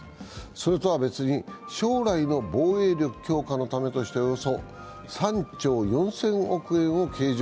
それとは別に、将来の防衛力強化のためとして、およそ３兆４０００億円を計上。